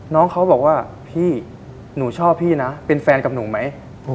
น้องเขาบอกว่าพี่หนูชอบพี่นะเป็นแฟนกับหนูไหม